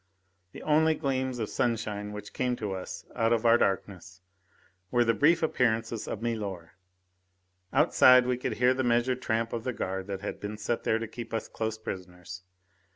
The only gleams of sunshine which came to us out of our darkness were the brief appearances of milor. Outside we could hear the measured tramp of the guard that had been set there to keep us close prisoners.